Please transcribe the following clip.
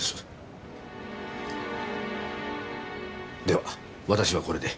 では私はこれで。